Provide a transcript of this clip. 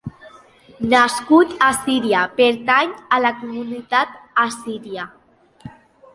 Nascut a Síria, pertany a la comunitat assíria.